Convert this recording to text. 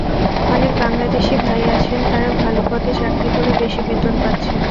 অনেক বাংলাদেশি ভাই আছেন তারা ভাল পদে চাকরি করে বেশি বেতন পাচ্ছেন।